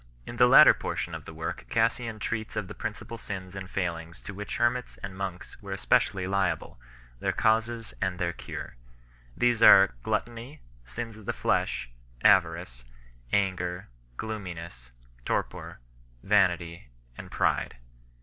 In the latter portion of the work Cassian treats of the principal sins and failings to which hermits and monks f ailin o 8 were especially liable, their causes and their cure. These are gluttony, sins of the flesh, avarice, anger, gloominess, torpor 6 , vanity, and pride.